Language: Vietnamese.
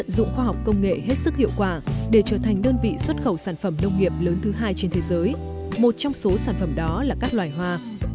vườn hòa để trở thành đơn vị xuất khẩu sản phẩm nông nghiệp lớn thứ hai trên thế giới một trong số sản phẩm đó là các loài hòa